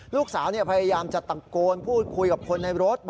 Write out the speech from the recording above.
ลูกสาวพยายามจะตะโกนพูดคุยกับคนในรถ